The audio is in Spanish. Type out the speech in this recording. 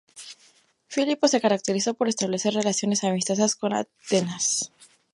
Filipo se caracterizó por establecer relaciones amistosas con Atenas.